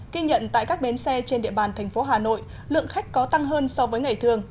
ghi nhận tại các bến xe trên địa bàn thành phố hà nội lượng khách có tăng hơn so với ngày thường